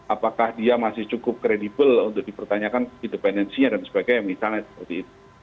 apakah dia masih cukup kredibel untuk dipertanyakan independensinya dan sebagainya misalnya seperti itu